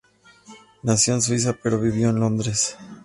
Nació en Suiza pero vivió en Londres.